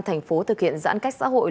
thành phố thực hiện giãn cách xã hội